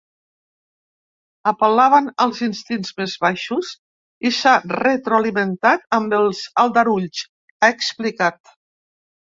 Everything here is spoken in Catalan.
Apel·laven als instints més baixos i s’ha retroalimentat amb els aldarulls, ha explicat.